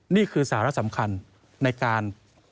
นี่คือสาระสำคัญในการ